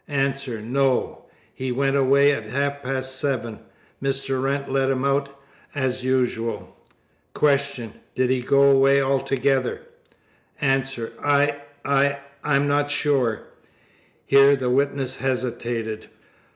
A. No. He went away at half past seven. Mr. Wrent let him out, as usual. Q. Did he go away altogether? A. I I I am not sure! (here the witness hesitated).